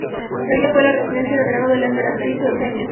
La villa fue la residencia de verano de la emperatriz Eugenia.